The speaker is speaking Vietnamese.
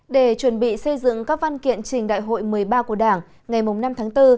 để chuẩn bị xây dựng các văn kiện trình đại hội một mươi ba của đảng ngày năm tháng bốn